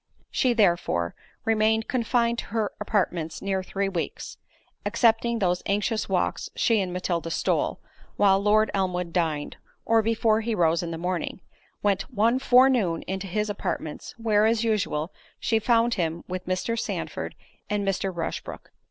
She therefore, after remaining confined to her apartments near three weeks, (excepting those anxious walks she and Matilda stole, while Lord Elmwood dined, or before he rose in a morning) went one forenoon into his apartments, where, as usual, she found him, with Mr. Sandford, and Mr. Rushbrook.